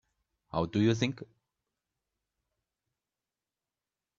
How do you think?